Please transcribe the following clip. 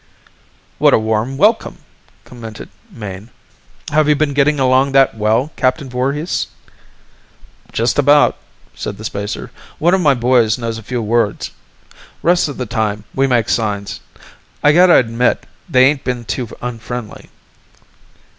"What a warm welcome!" commented Mayne. "Have you been getting along that well, Captain Voorhis?" "Just about," said the spacer. "One of my boys knows a few words. Rest of the time, we make signs. I gotta admit they ain't been too unfriendly."